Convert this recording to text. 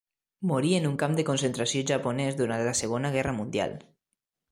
Morí en un camp de concentració japonès durant la Segona Guerra Mundial.